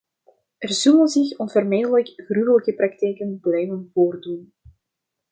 Er zullen zich onvermijdelijk gruwelijke praktijken blijven voordoen.